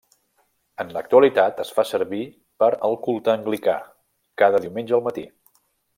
En l'actualitat es fa servir per al culte anglicà, cada diumenge al matí.